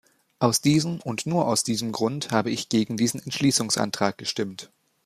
Aus diesem und nur aus diesem Grund habe ich gegen diesen Entschließungsantrag gestimmt.